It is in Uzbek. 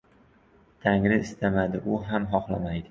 Tangri istamadi, u ham xohlamaydi.